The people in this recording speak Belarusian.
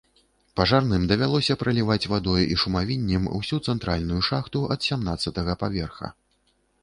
Пажарным давялося праліваць вадой і шумавіннем усю цэнтральную шахту ад сямнаццатага паверха.